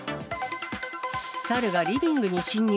サルがリビングに侵入。